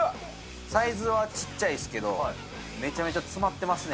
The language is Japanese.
サイズは小っちゃいですけど、めちゃめちゃ詰まってますね。